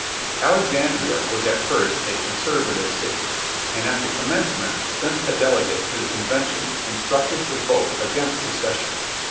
Alexandria was at first a conservative city, and at the com mencement sent a delegate to the convention instructed to vote against secession.